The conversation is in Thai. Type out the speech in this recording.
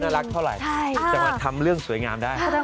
ทรังวัลทำเรื่องสวยงามได้